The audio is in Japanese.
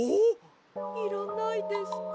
いらないですか？